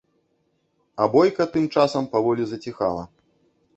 А бойка тым часам паволі заціхала.